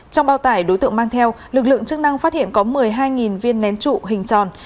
trong bao tải đối tượng mang theo lực lượng chức năng phát hiện có một mươi hai viên nén trụ hình tròn